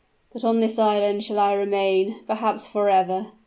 But on this island shall I remain perhaps forever!